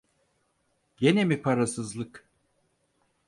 Gene mi parasızlık?